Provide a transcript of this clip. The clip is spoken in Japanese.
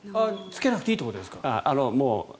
つけなくていいということですか？